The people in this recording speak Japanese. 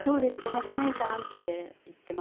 「朋子ねえさん」って言ってます。